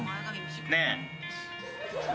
ねえ。